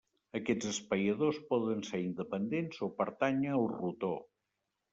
Aquests espaiadors poden ser independents o pertànyer al rotor.